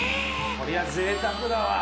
こりゃぜいたくだわ。